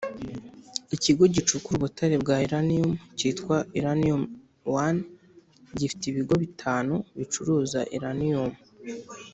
Ikigo gicukura ubutare bwa Uranium kitwa Uranium One gifite ibigo bitanu bicuruza uranium